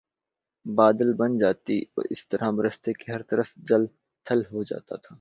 بادل بن جاتے اور اس طرح برستے کہ ہر طرف جل تھل ہو جاتا تھا